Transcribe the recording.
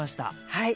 はい。